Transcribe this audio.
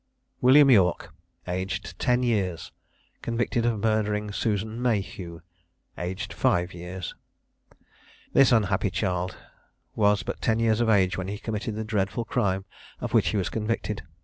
WILLIAM YORK, AGED TEN YEARS, CONVICTED OF MURDERING SUSAN MAHEW, AGED FIVE YEARS. This unhappy child was but ten years of age when he committed the dreadful crime of which he was convicted.